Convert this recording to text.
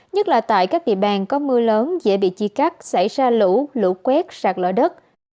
nhất là tại các địa bàn có mưa lớn dễ bị chia cắt xảy ra lũ lũ quét sạt lở đất